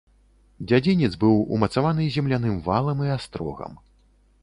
Дзядзінец быў умацаваны земляным валам і астрогам.